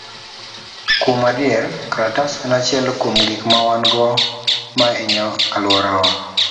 Kuom adier, kalatas en achiel kuom gik ma wan go ma hinyo alworawa.